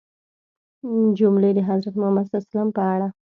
جملې د حضرت محمد ﷺ په اړه